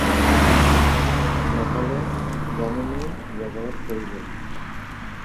নহ'লে জামিনেই জগৰত পৰিব।